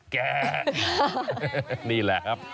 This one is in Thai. แกนี่แหละครับ